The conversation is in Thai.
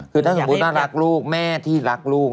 คือถ้าสมมุติว่ารักลูกแม่ที่รักลูก